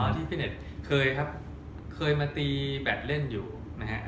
ที่ฟิตเน็ตเคยครับเคยมาตีแบตเล่นอยู่นะฮะ